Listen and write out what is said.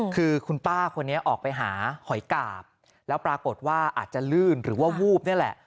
คือคุณป้าคนนี้ออกไปหาหอยกาบแล้วปรากฏว่าอาจจะลื่นหรือว่าวูบนี่แหละ